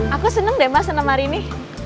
aku seneng deh mbak seneng hari ini